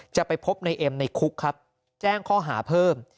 จะไปพบในเอ็มในคุกครับแจ้งข้อหาเพิ่ม